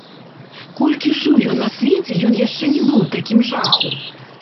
Колькі жыў ён на свеце, ён яшчэ не быў у такім жаху.